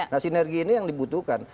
nah sinergi ini yang dibutuhkan